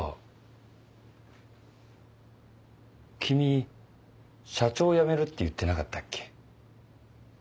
君社長辞めるって言ってなかったっけ？